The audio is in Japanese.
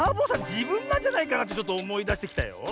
じぶんなんじゃないかなってちょっとおもいだしてきたよ。